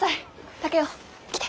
竹雄来て。